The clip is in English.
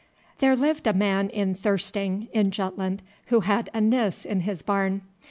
There lived a man in Thyrsting, in Jutland, who had a Nis in his barn.